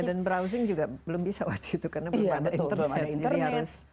dan browsing juga belum bisa waktu itu karena belum ada internet